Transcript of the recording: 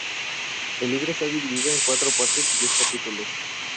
El libro está dividido en cuatro partes y diez capítulos.